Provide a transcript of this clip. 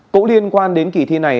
cũng liên quan đến kỳ thi này